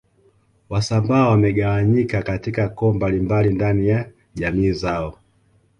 Wasambaa wamegawanyika katika koo mbalimbali ndani ya jamii zao